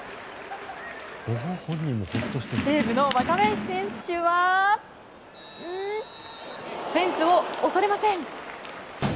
西武の若林選手はフェンスを恐れません。